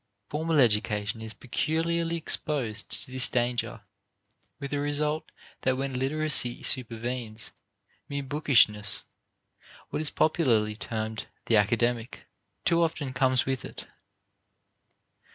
Formal education is peculiarly exposed to this danger, with the result that when literacy supervenes, mere bookishness, what is popularly termed the academic, too often comes with it.